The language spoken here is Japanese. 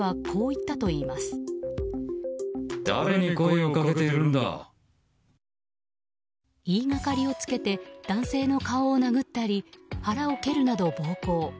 言いがかりをつけて男性の顔を殴ったり腹を蹴るなど暴行。